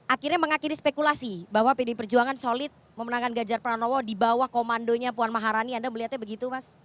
akhirnya mengakhiri spekulasi bahwa pdi perjuangan solid memenangkan ganjar pranowo di bawah komandonya puan maharani anda melihatnya begitu mas